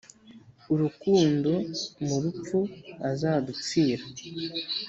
urukundo Mu rupfu azadupfira